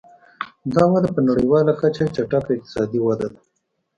دا وده په نړیواله کچه چټکه اقتصادي وده ده.